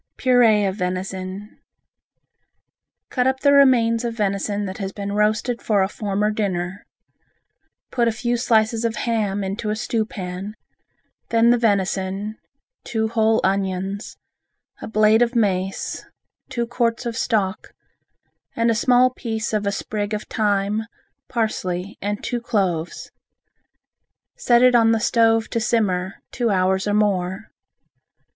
Puree of Venison Cut up the remains of venison that had been roasted for a former dinner, put a few slices of ham into a stew pan, then the venison, two whole onions, a blade of mace, two quarts of stock, and a small piece of a sprig of thyme, parsley, and two cloves. Set it on the stove to simmer, two hours or more.